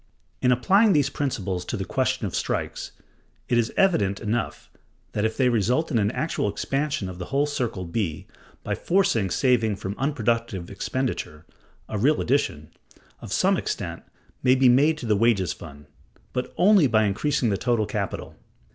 (167) In applying these principles to the question of strikes, it is evident enough that if they result in an actual expansion of the whole circle B, by forcing saving from unproductive expenditure, a real addition, of some extent, may be made to the wages fund; but only by increasing the total capital.